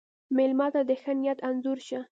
مېلمه ته د ښه نیت انځور شه.